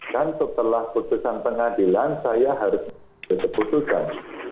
kan setelah keputusan pengadilan saya harus baik ketemu sesuatu kan